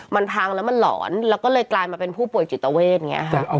มันพังแล้วมันหลอนแล้วก็เลยกลายมาเป็นผู้ป่วยจิตเวทอย่างนี้ค่ะ